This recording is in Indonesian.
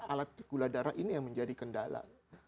alat gula darah ini yang menjadi kendala